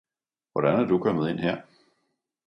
Hvordan er du kommet ind her?